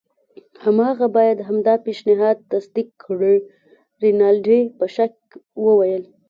هماغه باید همدا پیشنهاد تصدیق کړي. رینالډي په شک وویل.